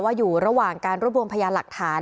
ว่าอยู่ระหว่างการรวมปรุงพญาณหลักฐาน